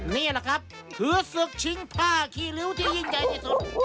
นี่แหละครับคือศึกชิงผ้าขี้ริ้วที่ยิ่งใหญ่ที่สุด